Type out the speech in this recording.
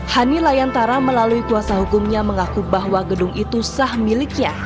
hani layantara melalui kuasa hukumnya mengaku bahwa gedung itu sah miliknya